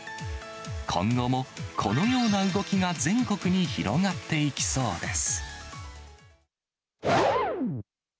今後もこのような動きが全国に広がっていきそうです。